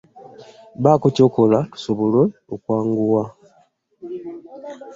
Baako kyokola tusobole okwanguwa.